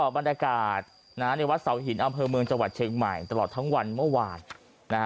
บรรยากาศในวัดเสาหินอำเภอเมืองจังหวัดเชียงใหม่ตลอดทั้งวันเมื่อวานนะฮะ